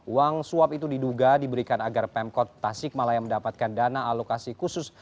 uang swap itu diduga diberikan agar pemkot tasik malaya mendapatkan dana alokasi khusus